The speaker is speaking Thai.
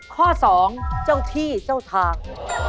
ข้อ๒เจ้าที่เจ้าทาง